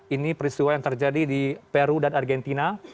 ini peristiwa yang terjadi di peru dan argentina